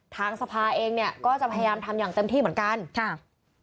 ทางสภาเองเนี่ยก็จะพยายามทำอย่างเต็มที่เหมือนกันค่ะ